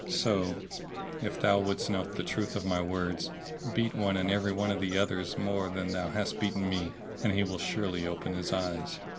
So, if thou wouldst know the truth of my words, beat one and every of the others more than thou hast beaten me, and he will surely open his eyes."